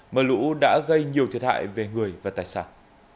mưa lũ đã gây nhiều thiệt hại về người và tài sản